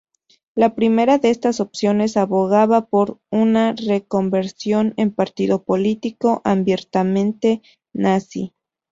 La primera de estas opciones abogaba por una reconversión en partido político abiertamente nazi.